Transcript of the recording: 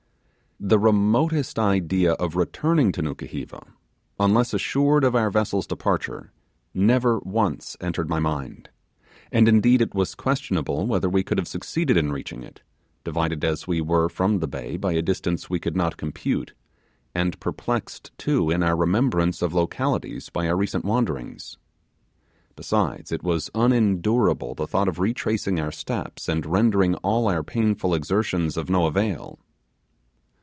The remotest idea of returning to Nukuheva, unless assured of our vessel's departure, never once entered my mind, and indeed it was questionable whether we could have succeeded in reaching it, divided as we were from the bay by a distance we could not compute, and perplexed too in our remembrance of localities by our recent wanderings. Besides, it was unendurable the thought of retracing our steps and rendering all our painful exertions of no avail.